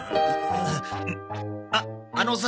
ああのさ